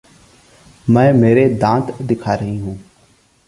मैं मेरे दाँत दिखा रही हूँ।